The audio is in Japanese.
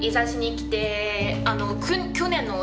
来て。